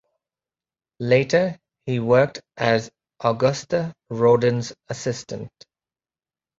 Later he worked as Auguste Rodin's assistant.